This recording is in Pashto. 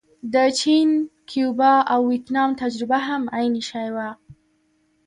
د چین، کیوبا او ویتنام تجربه هم عین شی وه.